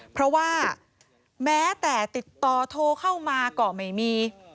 เพราะว่าแม้แต่ติดต่อโทรเข้ามาก็ไม่มี